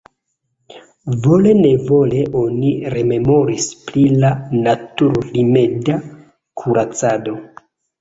Vole-nevole oni rememoris pri la natur-rimeda kuracado.